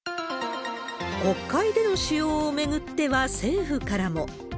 国会での使用を巡っては政府からも。